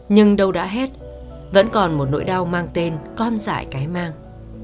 nhưng đâu đã hết vẫn còn một nỗi đau mang tên con dại cái mang